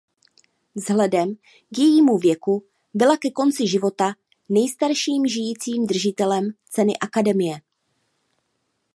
Vzhledem k jejímu věku byla ke konci života nejstarším žijícím držitelem Ceny Akademie.